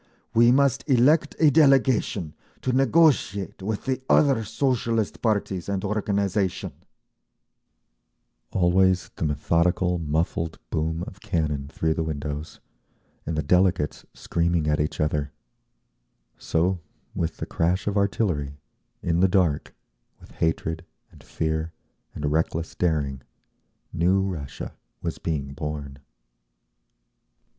We must elect a delegation to negotiate with the other Socialist parties and organisation…." Always the methodical muffled boom of cannon through the windows, and the delegates, screaming at each other…. So, with the crash of artillery, in the dark, with hatred, and fear, and reckless daring, new Russia was being born.